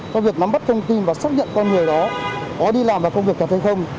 do việc nắm bắt thông tin và xác nhận con người đó có đi làm và công việc cảm thấy không